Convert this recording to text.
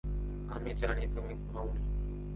আমি জানি তুমি ঘুমাওনি।